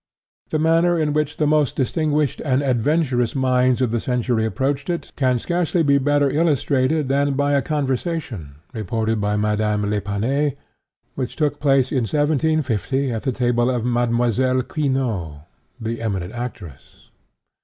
The manner in which the most distinguished and adventurous minds of the century approached it, can scarcely be better illustrated than by a conversation, reported by Madame d'Epinay, which took place in 1750 at the table of Mlle. Quinault, the eminent actress.